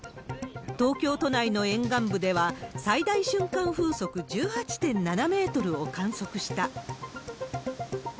東京都内の沿岸部では、最大瞬間風速１８．７メートルを観測した。